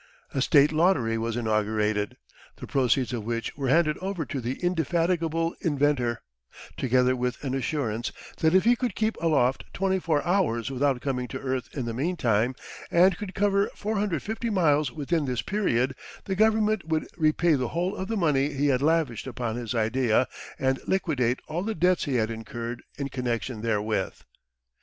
A State lottery was inaugurated, the proceeds of which were handed over to the indefatigable inventor, together with an assurance that if he could keep aloft 24 hours without coming to earth in the meantime, and could cover 450 miles within this period, the Government would repay the whole of the money he had lavished upon his idea, and liquidate all the debts he had incurred in connection therewith.